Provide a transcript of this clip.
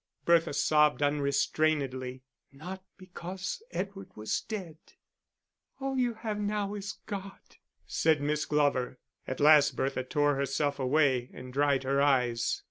Bertha sobbed unrestrainedly not because Edward was dead. "All you have now is God," said Miss Glover. At last Bertha tore herself away and dried her eyes.